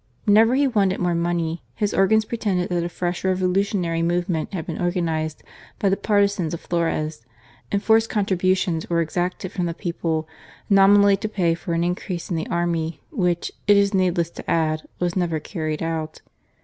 When ever he wanted more money, his organs pretended that a fresh revolutionary movement had been organized by the partisans of Flores, and forced contributions were exacted from the people, nomi nally to pay for an increase in the army, which, it is needless to add, was never carried out.